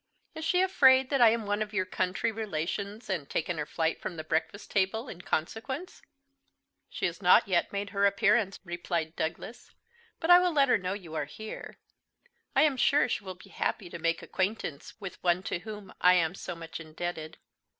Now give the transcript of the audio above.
Is she afraid that I am one of your country relations, and taken her flight from the breakfast table in consequence?" "She has not yet made her appearance," replied Douglas; "but I will let her know you are here. I am sure she will be happy to make acquaintance with one to whom I am so much indebted."